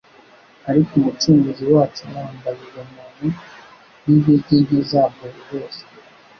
Ariko Umucunguzi wacu yambaye ubumuntu, n'intege nke zabwo zose